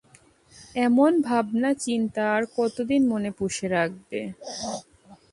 এমন ভাবনা-চিন্তা আর কতদিন মনে পুষে রাখবে?